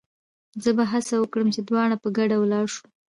زه به هڅه وکړم چې دواړه په ګډه ولاړ شو.